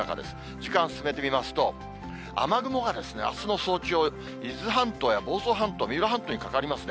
時間進めてみますと、雨雲があすの早朝、伊豆半島や房総半島、三浦半島にかかりますね。